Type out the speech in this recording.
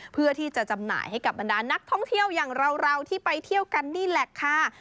เพื่อที่จะจำหน่ายให้กับบรรดานักท่องเที่ยวอย่างเราที่ไปเที่ยวกันนี่แหละค่ะ